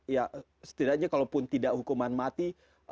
ya setidaknya kalaupun tidak hukuman mati